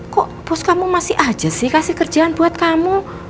kok bos kamu masih aja sih kasih kerjaan buat kamu